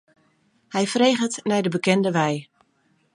Hy freget nei de bekende wei.